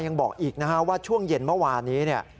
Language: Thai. ยังบอกอีกนะฮะว่าช่วงเย็นเมื่อวานนี้เนี่ย